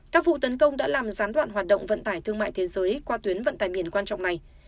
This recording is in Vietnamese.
các vụ tấn công đã làm gián đoạn hoạt động vận tải thương mại thế giới qua tuyến vận tải biển quan trọng này